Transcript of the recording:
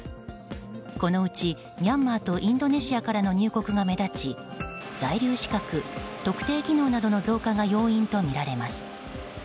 このうち、ミャンマーとインドネシアからの入国が目立ち在留資格、特定技能などの増加が要因とみられます。